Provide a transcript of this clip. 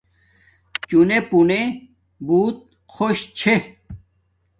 چونے پُونے بوت خوش چھے